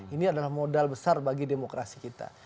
ini adalah modal besar bagi demokrasi kita